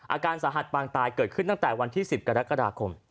อาการสาหัสปางตายเกิดขึ้นตั้งแต่วันที่๑๐กรกฎาคม